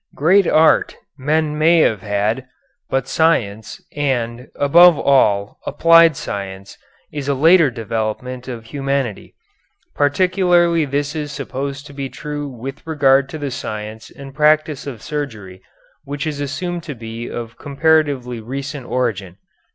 Great art men may have had, but science and, above all, applied science, is a later development of humanity. Particularly is this supposed to be true with regard to the science and practice of surgery, which is assumed to be of comparatively recent origin.